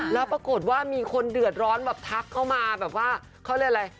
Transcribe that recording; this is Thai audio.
แล้วปรากฏว่ามีคนเดือดร้อนแบบทักเข้ามาแบบว่าเขาเรียกอะไร